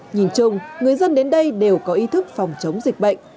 nhìn chung người dân đến đây đều có ý thức phòng chống dịch bệnh